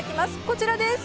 こちらです。